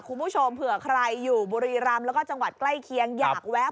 คุณผู้ชมเผื่อใครอยู่บุรีรำแล้วก็จังหวัดใกล้เคียงอยากแวะ